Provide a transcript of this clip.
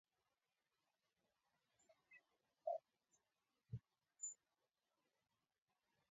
Betushechu ko okot inee ko kokunaita ngalechoto.